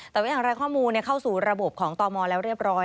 แต่ว่าอย่างไรข้อมูลเข้าสู่ระบบของตมแล้วเรียบร้อย